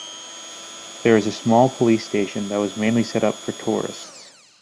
There is a small police station that was mainly set up for tourists.